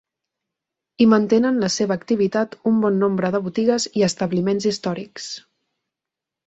Hi mantenen la seva activitat un bon nombre de botigues i establiments històrics.